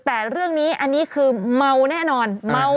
แต่เรื่องนี้อันนี้คือเมาแน่นอนเมา